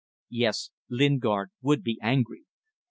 ... Yes. Lingard would be angry.